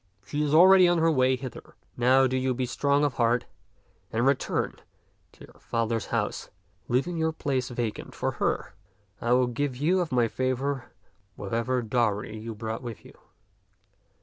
She is already on her way hither. Now do you be strong of heart and return to your father's house, leaving your place vacant for her. I will give you of my favor whatever dowry you brought with you.